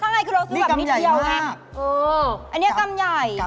ทำไมคือเราซื้อแบบนิดเดียวไงนี่กรำใหญ่มากเครียมนี้กรมใหญ่มาก